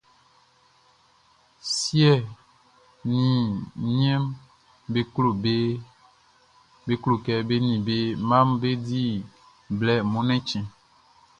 Siɛ ni niɛnʼm be klo kɛ be ni be mmaʼm be di blɛ Mɔnnɛn chtɛnʼn.